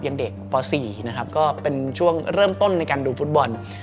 ยังเด็กป๔นะครับก็เป็นช่วงเริ่มต้นในการดูฟุตบอล